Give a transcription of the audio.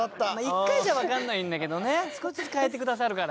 １回じゃわかんないんだけどね少しずつ変えてくださるから。